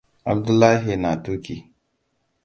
Abdullahi na tuki.